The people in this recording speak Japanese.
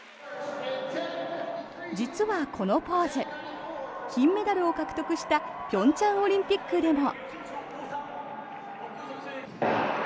実はこのポーズ金メダルを獲得した平昌オリンピックでも。